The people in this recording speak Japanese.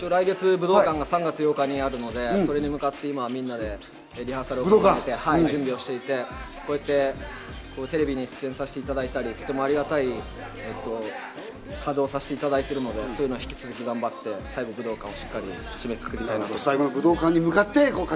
３月８日に武道館があるので、それに向かって、みんな今リハーサルをやって準備をしていて、こうやってテレビに出演させていただいたり、とでもありがたい稼働をさせていただいているので、引き続き、最後、武道館でしっかり締めくくりたいと思います。